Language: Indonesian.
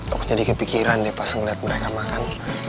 aku jadi kepikiran deh pas ngeliat mereka makan